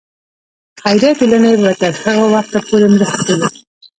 خیریه ټولنې به تر هغه وخته پورې مرستې کوي.